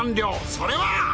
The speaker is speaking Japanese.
それは。